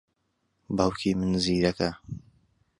باوکی من زیرەکە.